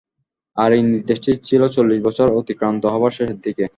আর এ নির্দেশটি ছিল চল্লিশ বছর অতিক্রান্ত হবার শেষের দিকে।